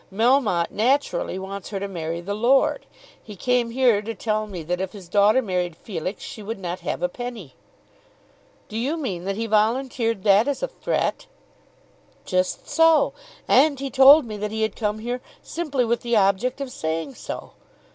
"Melmotte naturally wants her to marry the lord. He came here to tell me that if his daughter married Felix she should not have a penny." "Do you mean that he volunteered that, as a threat?" "Just so; and he told me that he had come here simply with the object of saying so.